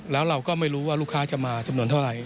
แล้วเราก็ไม่รู้ว่าลูกค้าจะมาจำนวนเท่าไหร่